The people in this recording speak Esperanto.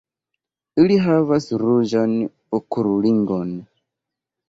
Ili havas ruĝan okulringon.